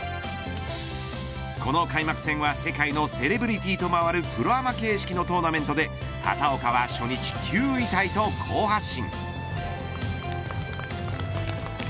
この開幕戦は世界のセレブリティと回るプロアマ形式のトーナメントで畑岡は初日９位タイと好発進。